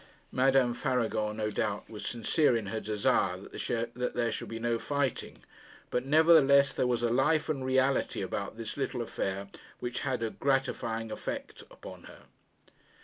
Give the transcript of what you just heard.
Madame Faragon no doubt was sincere in her desire that there should be no fighting; but, nevertheless, there was a life and reality about this little affair which had a gratifying effect upon her.